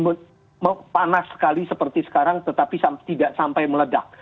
memang panas sekali seperti sekarang tetapi tidak sampai meledak